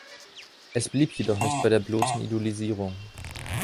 Es blieb jedoch nicht bei der bloßen Idolisierung.